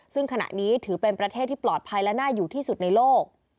ซึ่งขณะนี้ถือเป็นประเทศที่ปลอดภัยและน่าอยู่ที่สุดในโลก